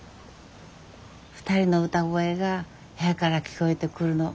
２人の歌声が部屋から聞こえてくるの